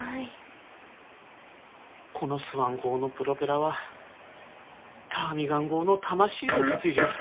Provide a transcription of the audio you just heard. このスワン号のプロペラはターミガン号の魂を受け継いじょる。